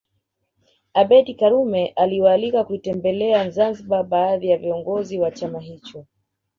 Abeid Karume aliwaalika kuitembelea Zanzibar baadhi ya viongozi wa chama hicho